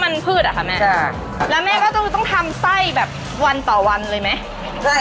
แล้วแม่ต้องทำไส้แบบวันต่อวันเลยไหม